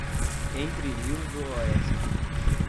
Entre Rios do Oeste